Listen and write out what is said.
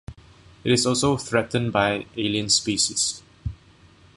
It is also threatened by alien species.